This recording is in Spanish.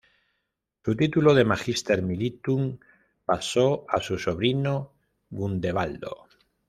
Su título de "magister militum" pasó a su sobrino Gundebaldo.